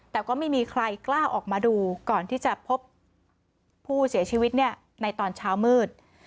แต่ก็ไม่มีใครกล้าออกมาดูก่อนที่จะพบผู้เสียชีวิตเนี่ยในตอนเช้ามืด